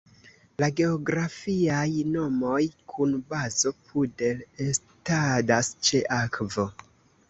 La geografiaj nomoj kun bazo Pudel estadas ĉe akvo.